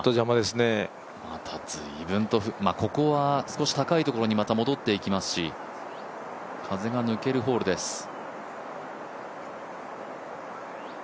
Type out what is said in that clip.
また随分とここは少し高いところに戻っていきますし風が抜けるホールです。